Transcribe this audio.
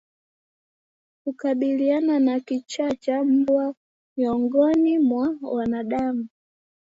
Kukabiliana na kichaa cha mbwa miongoni mwa wanadamu